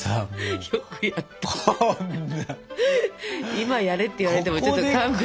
今やれって言われてもちょっと勘弁。